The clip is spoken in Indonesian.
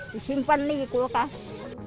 disimpan lagi di kulkas